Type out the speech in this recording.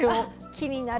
気になる。